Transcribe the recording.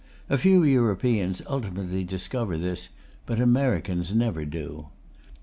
A few Europeans ultimately discover this, but Americans never do.